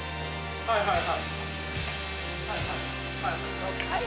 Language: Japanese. はいはいはい。